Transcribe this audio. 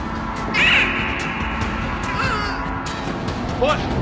おい！